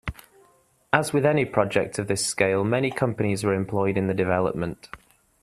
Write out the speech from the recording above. As with any project of this scale, many companies were employed in the development.